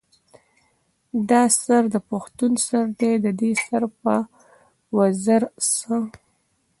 دا سر د پښتون سر دے ددې سر پۀ وزر څۀ